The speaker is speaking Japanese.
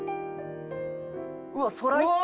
「うわっ空いった！